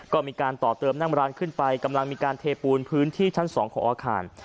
ก็มีการต่อเติมนั่งร้านขึ้นไปกำลังมีการเทปูนพื้นที่ชั้น๒ของอาคาร